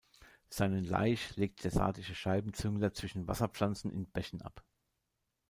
Seinen Laich legt der Sardische Scheibenzüngler zwischen Wasserpflanzen in Bächen ab.